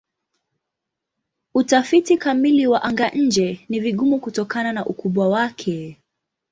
Utafiti kamili wa anga-nje ni vigumu kutokana na ukubwa wake.